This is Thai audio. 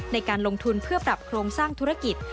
ในการลงทุนเพื่อปรับโครงสร้างธุรกิจ